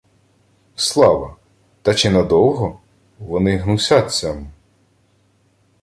— Слава, та чи надовго? Вони гнусяться мм...